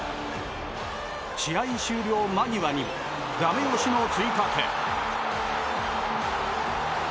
試合終了間際にもダメ押しの追加点。